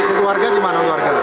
untuk harga gimana